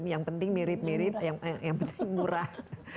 yang penting mirip mirip yang paling murah